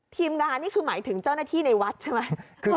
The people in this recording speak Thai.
ทีมงานนี่คือหมายถึงเจ้าหน้าที่ในวัดใช่ไหม